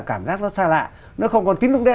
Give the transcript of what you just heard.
cảm giác nó xa lạ nó không còn tín dụng đen